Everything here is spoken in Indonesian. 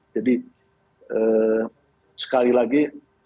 jadi sekali lagi